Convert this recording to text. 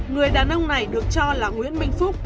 người đàn ông này được cho là nguyễn minh phúc